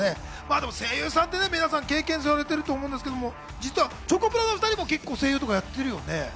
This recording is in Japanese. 声優さんってね、皆さん、経験されてると思うんですけど、実はチョコプラの２人も結構、声優とかやってるよね。